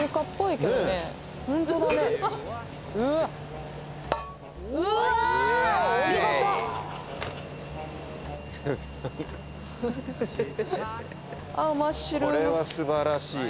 これはすばらしい。